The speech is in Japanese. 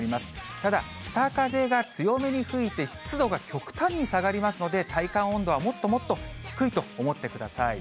ただ、北風が強めに吹いて湿度が極端に下がりますので、体感温度はもっともっと低いと思ってください。